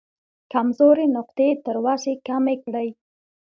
کمزورې نقطې یې تر وسې کمې کړې.